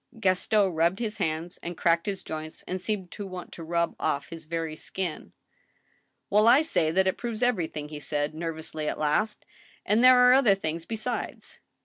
Gaston rubbed his hands and cracked his joints, and seemed to want to rub off his very skin. " Well, I say that it proves ever3rthing," he said, nervously, at last, "and there are other things besides."